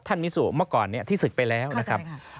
มิสุเมื่อก่อนที่ศึกไปแล้วนะครับ